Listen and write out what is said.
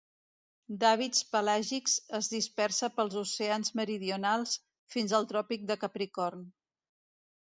D'hàbits pelàgics, es dispersa pels oceans meridionals, fins al Tròpic de Capricorn.